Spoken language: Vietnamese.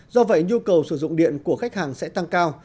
do vậy nhu cầu sử dụng điện của khách hàng sẽ tăng cao